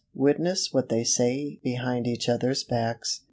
witness what they say behind each other's backs.